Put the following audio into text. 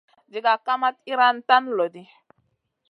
Diga kamat iyran tan loɗi.